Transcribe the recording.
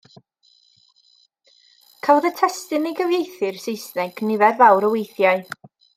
Cafodd y testun ei gyfieithu i'r Saesneg nifer fawr o weithiau.